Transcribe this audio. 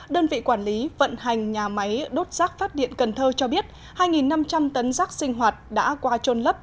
đơn vị quản lý vận hành nhà máy đốt rác phát điện cần thơ cho biết hai năm trăm linh tấn rác sinh hoạt đã qua trôn lấp